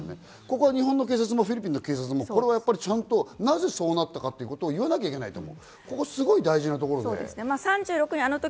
日本の警察もフィリピンの警察もちゃんと、なぜそうなったかということをいわなきゃいけないと思う。